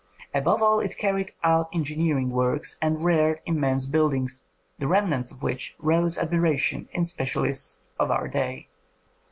Above all, it carried out engineering works and reared immense buildings, the remnants of which rouse admiration in specialists of our day.